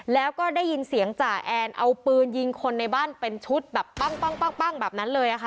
แล้วก็ได้ยินเสียงจ่าแอนเอาปืนยิงคนในบ้านเป็นชุดแบบปั้งแบบนั้นเลยค่ะ